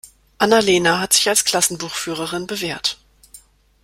Anna-Lena hat sich als Klassenbuchführerin bewährt.